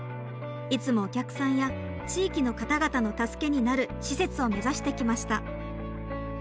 いつもお客さんや地域の方々の助けになる施設を目指してきました。